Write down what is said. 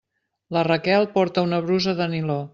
La Raquel porta una brusa de niló.